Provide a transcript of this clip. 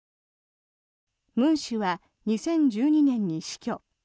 ムン氏は２０１２年に死去。